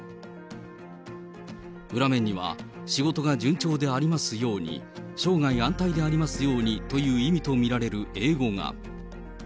裏面には仕事が順調でありますように、生涯安泰でありますようにと見られる英語が。